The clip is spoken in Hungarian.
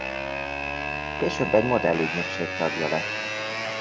Később egy modellügynökség tagja lett.